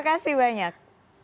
terima kasih banyak